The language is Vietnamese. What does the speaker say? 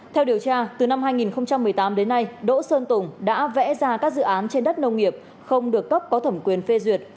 theo điều tra từ năm hai nghìn một mươi tám đến nay đỗ xuân tùng đã vẽ ra các dự án trên đất nông nghiệp không được cấp có thẩm quyền phê duyệt